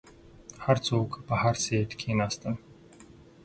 هر څوک په هر سیټ کښیناستل.